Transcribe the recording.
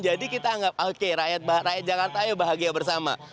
jadi kita anggap oke rakyat jakarta ayo bahagia bersama